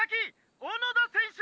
小野田選手！！